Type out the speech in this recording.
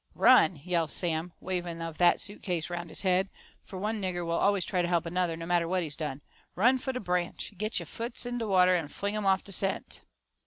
"RUN!" yells Sam, waving of that suit case round his head, fur one nigger will always try to help another no matter what he's done. "Run fo' de branch git yo' foots in de worter an' fling 'em off de scent!"